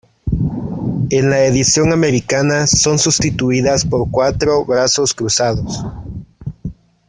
En la edición americana son sustituidas por cuatro brazos cruzados.